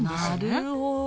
なるほど。